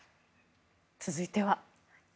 続いては。